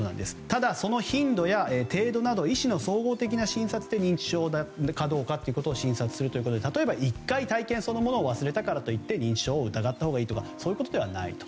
ただ、その頻度や程度など医師の総合的な診察で認知症かどうかということを診察するということで例えば１回体験そのものを忘れたからといって認知症を疑ったほうがいいとかそういったことではないと。